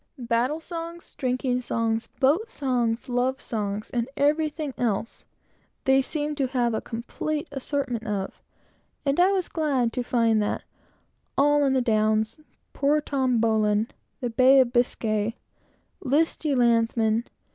Battle songs, drinking songs, boat songs, love songs, and everything else, they seemed to have a complete assortment of, and I was glad to find that "All in the Downs," "Poor Tom Bowline," "The Bay of Biscay," "List, ye Landsmen!"